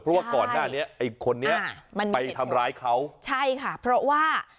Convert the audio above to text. เพราะว่าก่อนหน้านี้ไอ้คนนี้มันไปทำร้ายเขาใช่ค่ะเพราะว่า